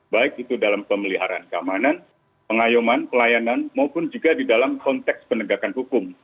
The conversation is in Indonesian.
baik itu dalam pemeliharaan keamanan pengayuman pelayanan maupun juga di dalam konteks penegakan hukum